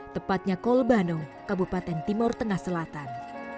tepatnya kolbano kabupaten timur tengah selatan